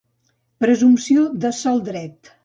Presumpció de sol dret.